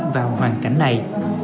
vào hoàn cảnh này